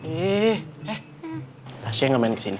ih eh tasha gak main kesini